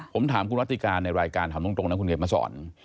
ผมถามคุณวัติการในรายการถามตรงนะคุณเขียนมาสอน